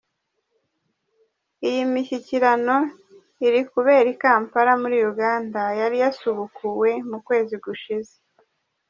Iyi mishyikirano irikubera i Kampala muri Uganda yari yasubukuwe mu kwezi gushize.